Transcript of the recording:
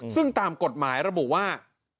ซึ่งตามกฎหมายระบุว่า